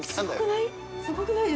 すごくない？